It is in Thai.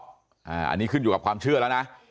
อันนี้ขึ้นอยู่กับความเชื่อแล้วนะ